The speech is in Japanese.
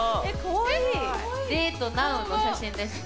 「デートなう」の写真ですね。